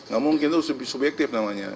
gak mungkin itu lebih subjektif namanya